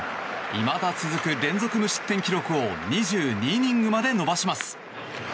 いまだ続く連続無失点記録を２２イニングまで伸ばします。